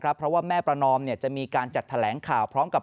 เพราะว่าแม่ประนอมจะมีการจัดแถลงข่าวพร้อมกับ